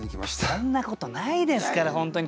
そんなことないですから本当に。